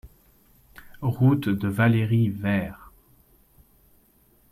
Route de Valleiry, Vers